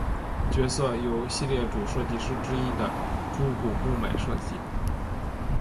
角色由系列主设计师之一的猪股睦美设计。